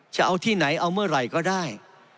จะเอาที่ไหนเอาเมื่อไหร่ก็ได้